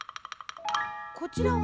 こちらは？